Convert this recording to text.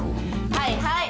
はいはい。